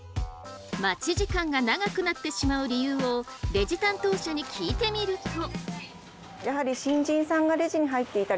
待ち時間が長くなってしまう理由をレジ担当者に聞いてみると。